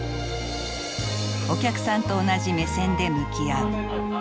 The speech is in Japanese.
お客さんと同じ目線で向き合う。